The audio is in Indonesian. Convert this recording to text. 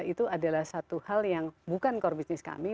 itu adalah satu hal yang bukan core business kami